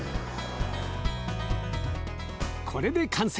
これで完成！